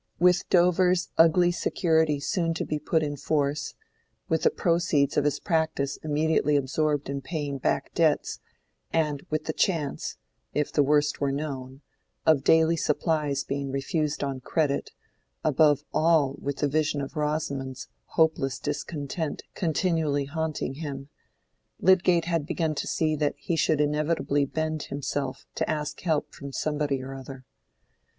With Dover's ugly security soon to be put in force, with the proceeds of his practice immediately absorbed in paying back debts, and with the chance, if the worst were known, of daily supplies being refused on credit, above all with the vision of Rosamond's hopeless discontent continually haunting him, Lydgate had begun to see that he should inevitably bend himself to ask help from somebody or other.